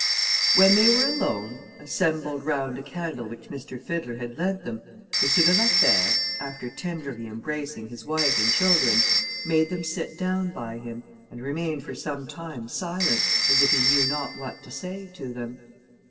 When they were alone, assembled round a candle which M. Fiddler had lent them, M. de la Fère, after tenderly embracing his wife and children, made them sit down by him, and remained for some time silent, as if he knew not what to say to them.